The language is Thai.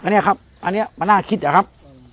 อันเนี้ยครับอันเนี้ยมันน่าคิดเหรอครับ